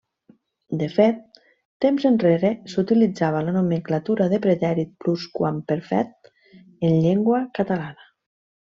De fet, temps enrere s'utilitzava la nomenclatura de pretèrit plusquamperfet en llengua catalana.